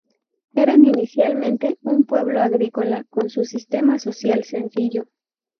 Eran inicialmente un pueblo agrícola con un sistema social sencillo.